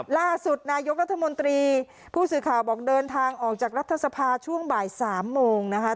ล่าสุดนายกรัฐมนตรีผู้สื่อข่าวบอกเดินทางออกจากรัฐสภาช่วงบ่าย๓โมงนะคะ